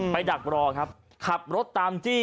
ดักรอครับขับรถตามจี้